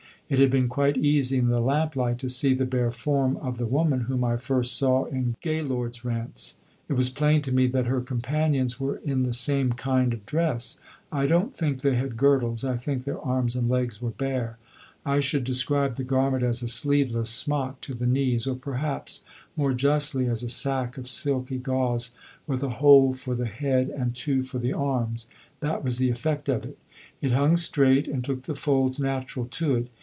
It had been quite easy in the lamplight to see the bare form of the woman whom I first saw in Gaylord's Rents. It was plain to me that her companions were in the same kind of dress. I don't think they had girdles; I think their arms and legs were bare. I should describe the garment as a sleeveless smock to the knees, or perhaps, more justly, as a sack of silky gauze with a hole for the head and two for the arms. That was the effect of it. It hung straight and took the folds natural to it.